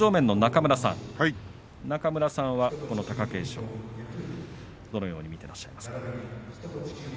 中村さんは貴景勝どのように見ていますか。